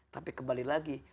tapi kembali lagi